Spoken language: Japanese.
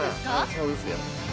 そうですよ。